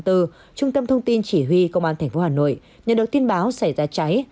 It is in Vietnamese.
trung tâm thông tin chỉ huy công an thành phố hà nội nhận được tin báo xảy ra cháy